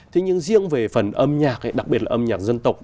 thế nhưng riêng về phần âm nhạc ấy đặc biệt là âm nhạc dân tộc